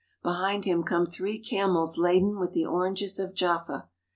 Be hind him come three camels laden with the oranges of Jaffa.